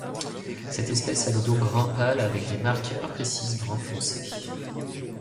Cette espèce a le dos brun pâle avec des marques imprécises brun foncé.